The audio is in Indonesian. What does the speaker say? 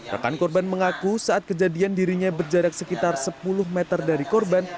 rekan korban mengaku saat kejadian dirinya berjarak sekitar sepuluh meter dari korban